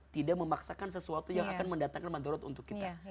tidak memaksakan sesuatu yang akan mendatangkan madhurat untuk kita